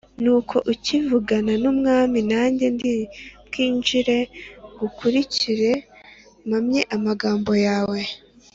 Nuko ukivugana n’umwami nanjye ndi bwinjire ngukurikire, mpamye amagambo yawe.”